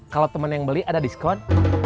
kalau temen yang beli ada diskon